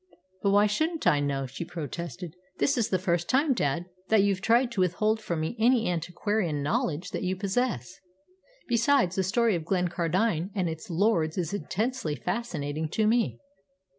"But why shouldn't I know?" she protested. "This is the first time, dad, that you've tried to withhold from me any antiquarian knowledge that you possess. Besides, the story of Glencardine and its lords is intensely fascinating to me."